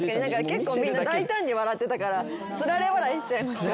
結構みんな大胆に笑ってたから釣られ笑いしちゃいますよね。